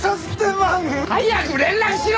早く連絡しろ！